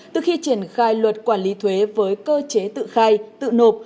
từ khi triển khai luật quản lý thuế với cơ chế tự khai tự nộp